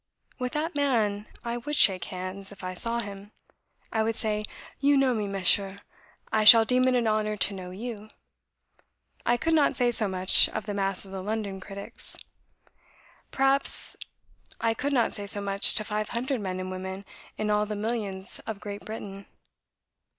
With that man I would shake hands, if I saw him. I would say, 'You know me, Monsieur; I shall deem it an honour to know you.' I could not say so much of the mass of the London critics. Perhaps I could not say so much to five hundred men and women in all the millions of Great Britain.